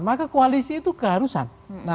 maka koalisi itu keharusan